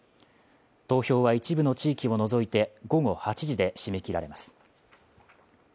投票は一部の地域を除いて午後８時で締め切られます。